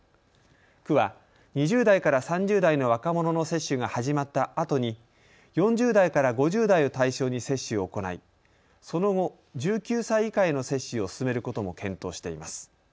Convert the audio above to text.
区は２０代から３０代の若者の接種が始まったあとに４０代から５０代を対象に接種を行いその後、１９歳以下への接種を進めることも検討しています。